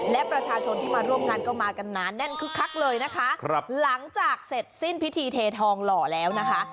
และประชาชนที่มาร่วมงานก็มากันหนาแน่นคึกคักเลยนะคะครับหลังจากเสร็จสิ้นพิธีเททองหล่อแล้วนะคะ